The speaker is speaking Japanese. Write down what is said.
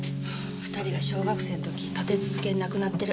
２人が小学生の時立て続けに亡くなってる。